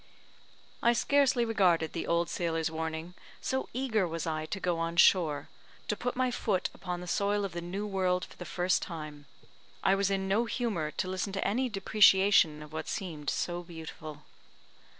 I scarcely regarded the old sailor's warning, so eager was I to go on shore to put my foot upon the soil of the new world for the first time I was in no humour to listen to any depreciation of what seemed so beautiful.